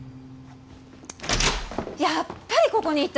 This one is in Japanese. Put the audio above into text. やっぱりここにいた！